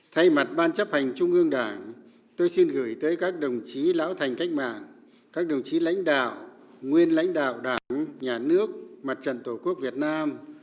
thay mặt ban chấp hành trung ương đảng tôi xin gửi tới các đồng chí lão thành cách mạng các đồng chí lãnh đạo nguyên lãnh đạo đảng nhà nước mặt trận tổ quốc việt nam